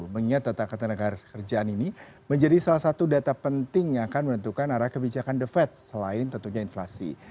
mengingat data ketenaga kerjaan ini menjadi salah satu data penting yang akan menentukan arah kebijakan the fed selain tentunya inflasi